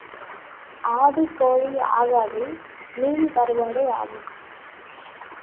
ஆடு கோழி ஆகாது மீன் கருவாடு ஆகும்.